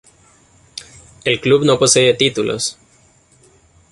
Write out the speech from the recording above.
El club no posee títulos.